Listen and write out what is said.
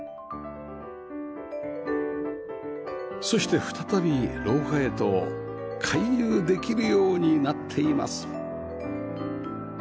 そして再び廊下へと回遊できるようになっています